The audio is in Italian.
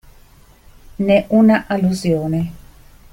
Nè una allusione.